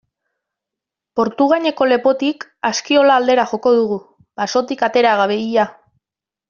Portugaineko lepotik Askiola aldera joko dugu, basotik atera gabe ia.